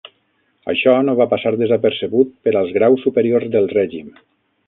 Això no va passar desapercebut per als graus superiors del règim.